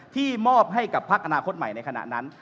มอบให้กับพักอนาคตใหม่ในขณะนั้น